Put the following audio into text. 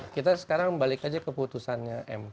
kita sekarang balik aja keputusannya mk